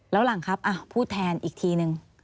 แล้วหลังครับพูดแทนอีกทีนึง